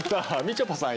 ちょぱさん